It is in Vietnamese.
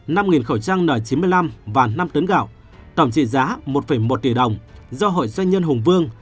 nở chín mươi năm và năm tấn gạo tổng trị giá một một tỷ đồng do hội doanh nhân hùng vương